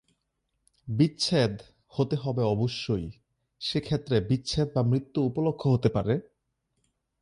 বিচ্ছেদ হতে হবে অবশ্যই, সে ক্ষেত্রে বিচ্ছেদ বা মৃত্যু উপলক্ষ হতে পারে।